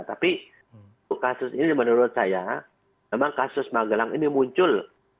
tapi kasus ini menurut saya memang kasus magelang ini muncul